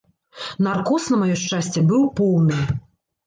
Наркоз, на маё шчасце, быў поўны.